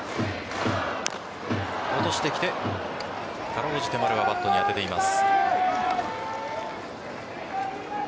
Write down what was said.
落としてきて辛うじて丸はバットに当てています。